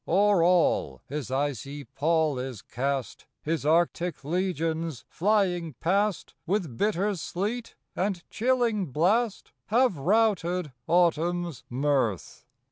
O er all his icy pall is cast His Arctic legions flying past With bitter sleet and chilling blast Have routed Autumn s mirth.